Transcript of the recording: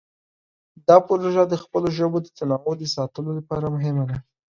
دا پروژه د خپلو ژبو د تنوع د ساتلو لپاره مهمه ده.